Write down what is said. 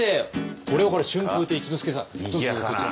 これはこれは春風亭一之輔さん。